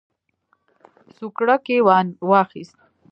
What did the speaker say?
سوکړک یې واخیست.